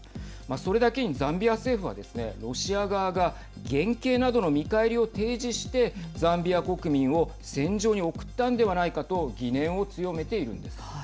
それだけにザンビア政府はですねロシア側が減刑などの見返りを提示してザンビア国民を戦場に送ったんではないかと疑念を強めているんです。